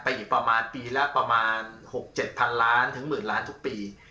อีกประมาณปีละประมาณ๖๗๐๐ล้านถึงหมื่นล้านทุกปี